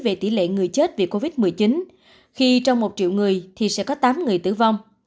về tỷ lệ người chết vì covid một mươi chín khi trong một triệu người thì sẽ có tám người tử vong